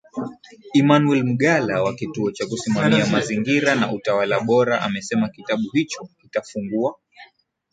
Emmanuel Mgala wa Kituo cha Kusimamia Mazingira na Utawala Bora amesema kitabu hicho kitafungua